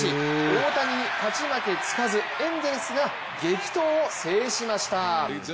大谷に勝ち負けつかず、エンゼルスが激闘を制しました。